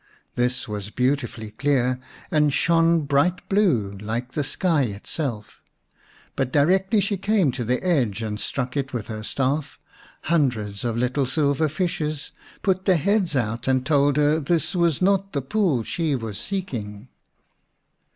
This was beautifully clear, and shone bright blue, like the sky itself. But directly she came to the edge and struck it with her staff, hundreds of little silver fishes put their heads out and told her this was not the pool she was seeking.